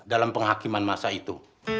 dalam penghakiman masai itu